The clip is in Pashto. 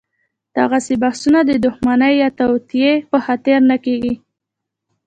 دغسې بحثونه د دښمنۍ یا توطیې په خاطر نه کېږي.